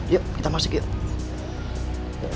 yuk kita masuk yuk